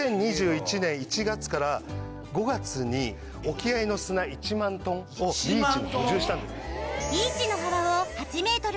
２０２１年１月から５月に沖合の砂１万ｔをビーチに補充したんです。